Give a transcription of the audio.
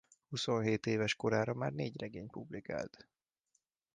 Huszonhét éves korára már négy regényt publikált.